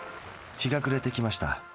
日が暮れてきました。